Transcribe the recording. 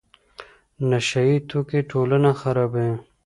نشه یي توکي ټولنه خرابوي.